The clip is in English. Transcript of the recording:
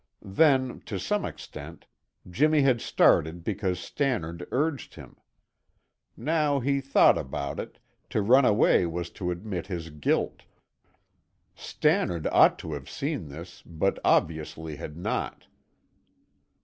Then, to some extent, Jimmy had started because Stannard urged him. Now he thought about it, to run away was to admit his guilt. Stannard ought to have seen this, but obviously had not.